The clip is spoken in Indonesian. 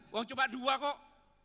woh cuma dua kok